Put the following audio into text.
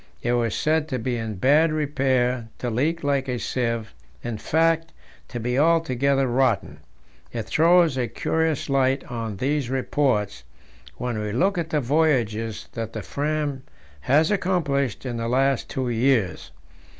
It was said to be in bad repair, to leak like a sieve in fact, to be altogether rotten. It throws a curious light on these reports when we look at the voyages that the Fram has accomplished in the last two years.